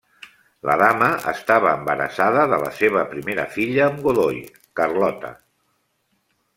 La dama estava embarassada de la seva primera filla amb Godoy, Carlota.